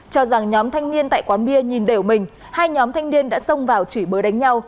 cho rằng nhóm thanh niên tại quán bia nhìn đều mình hai nhóm thanh niên đã xông vào chửi bớ đánh nhau